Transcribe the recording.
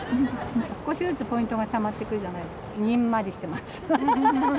少しずつポイントがたまってくるじゃないですか、にんまりしてます。